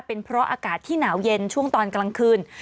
เป็นเพราะอากาศที่หนาวเย็นช่วงตอนกลางคืน